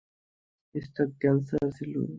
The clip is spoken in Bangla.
স্তন ক্যান্সার ছিল।